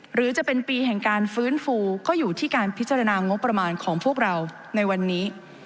หรือจะเป็นปีแห่งการฟื้นฟูก็อยู่ที่การพิจารณางบประมาณของพวกเราในวันนี้